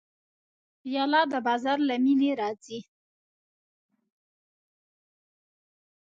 پیاله د بازار له مینې راځي.